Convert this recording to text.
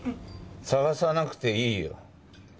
探さなくていいよ。